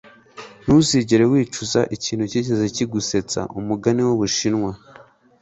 ntuzigere wicuza ikintu cyigeze kigusetsa. - umugani w'ubushinwa